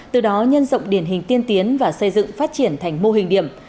từ đó nhân rộng điển hình tiên tiến và xây dựng phát triển thành mô hình điểm